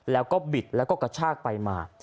แล้วก็บิดแล้วก็กระชากไปมา